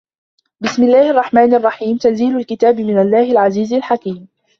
بِسمِ اللَّهِ الرَّحمنِ الرَّحيمِ تَنزيلُ الكِتابِ مِنَ اللَّهِ العَزيزِ الحَكيمِ